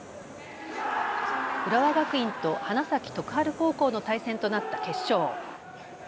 浦和学院と花咲徳栄高校の対戦となった決勝。